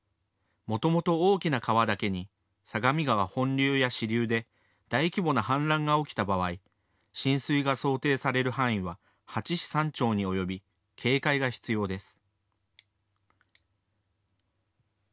もともと大きな川だけに相模川本流や支流で大規模な氾濫が起きた場合、浸水が想定される範囲は８市３町に及び、警戒が必要です。